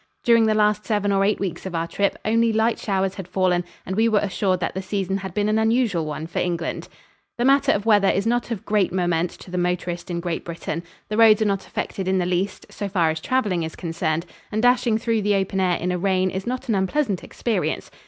During the last seven or eight weeks of our trip, only light showers had fallen and we were assured that the season had been an unusual one for England. The matter of weather is not of great moment to the motorist in Great Britain. The roads are not affected in the least, so far as traveling is concerned, and dashing through the open air in a rain is not an unpleasant experience.